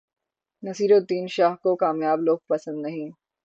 نصیرالدین شاہ کو کامیاب لوگ پسند نہیں